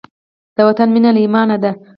د وطن مینه له ایمانه ده.